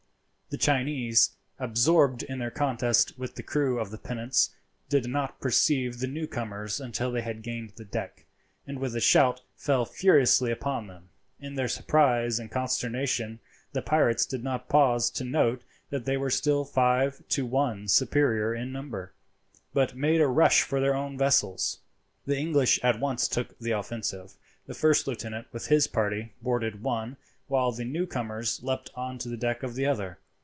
The Chinese, absorbed in their contest with the crew of the pinnace, did not perceive the new comers until they gained the deck, and with a shout fell furiously upon them. In their surprise and consternation the pirates did not pause to note that they were still five to one superior in number, but made a rush for their own vessels. The English at once took the offensive. The first lieutenant with his party boarded one, while the new comers leapt on to the deck of the other.